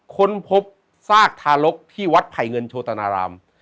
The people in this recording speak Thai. ค้นพบซากทารกที่วัดไผ่เงินโชตนาราม